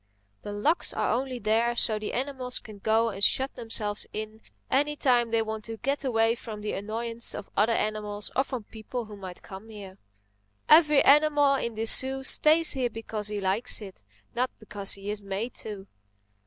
The locks are only there so the animals can go and shut themselves in any time they want to get away from the annoyance of other animals or from people who might come here. Every animal in this zoo stays here because he likes it, not because he is made to."